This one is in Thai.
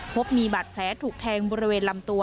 พบมีบาดแผลถูกแทงบริเวณลำตัว